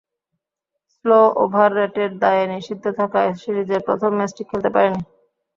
Slow over রেটের দায়ে নিষিদ্ধ থাকায় সিরিজের প্রথম ম্যাচটি খেলতে পারেননি।